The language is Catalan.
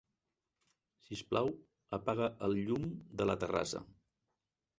Sisplau, apaga el llum de la terrassa.